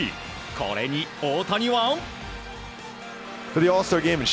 これに、大谷は。